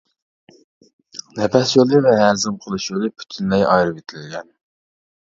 نەپەس يولى ۋە ھەزىم قىلىش يولى پۈتۈنلەي ئايرىۋېتىلگەن.